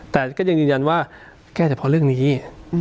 แต่ก็ยังยืนยันว่าแก้เฉพาะเรื่องนี้